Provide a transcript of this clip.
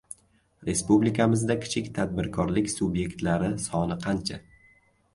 Respublikamizda kichik tadbirkorlik sub’ektlari soni qancha?